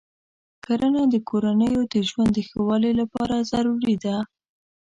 کرنه د کورنیو د ژوند د ښه والي لپاره ضروري ده.